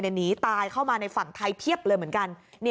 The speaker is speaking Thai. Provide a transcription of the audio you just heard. หนีตายเข้ามาในฝั่งไทยเพียบเลยเหมือนกัน